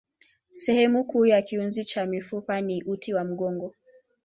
Sehemu kuu ya kiunzi cha mifupa ni uti wa mgongo.